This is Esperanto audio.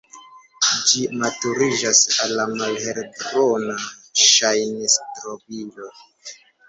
Ĝi maturiĝas al malhelbruna ŝajn-strobilo.